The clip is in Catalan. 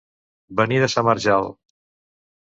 Venir de sa Marjal.